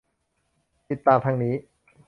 ติดตามทางนี้